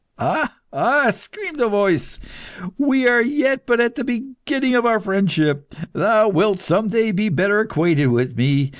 "Ah? ah!" screamed the voice, "we are yet but at the beginning of our friendship; thou wilt some day be better acquainted with me.